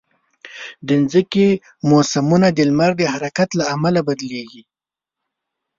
د مځکې موسمونه د لمر د حرکت له امله بدلېږي.